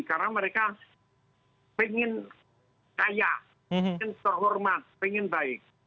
karena mereka ingin kaya ingin terhormat ingin baik